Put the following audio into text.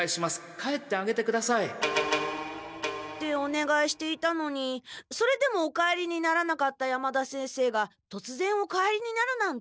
帰ってあげてください。っておねがいしていたのにそれでもお帰りにならなかった山田先生がとつぜんお帰りになるなんて。